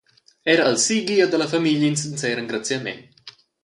Era al Sigi ed alla famiglia in sincer engraziament.